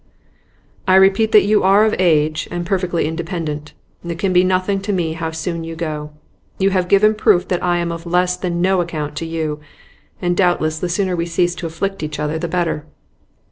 'I repeat that you are of age, and perfectly independent. It can be nothing to me how soon you go. You have given proof that I am of less than no account to you, and doubtless the sooner we cease to afflict each other the better.